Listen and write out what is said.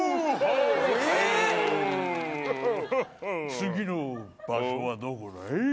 次の場所はどこだい？